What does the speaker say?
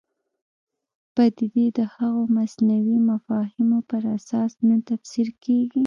پدیدې د هغو مصنوعي مفاهیمو پر اساس نه تفسیر کېږي.